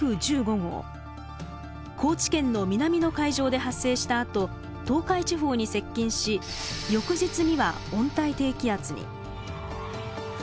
高知県の南の海上で発生したあと東海地方に接近し翌日には温帯低気圧に。